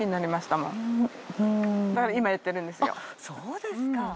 そうですか。